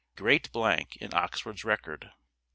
Great Blank in Oxford's record.